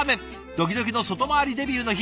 ドキドキの外回りデビューの日。